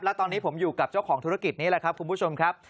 และตอนนี้ผมอยู่กับเจ้าของธุรกิจนี้แหละครับคุณผู้ชมครับ